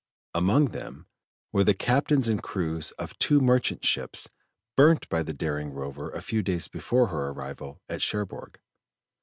Among them were the captains and crews of two merchant ships burnt by the daring rover a few days before her arrival at Cherbourg.